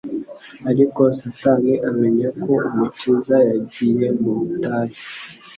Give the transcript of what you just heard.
Ariko Satani amenya ko Umukiza yagiye mu butayu,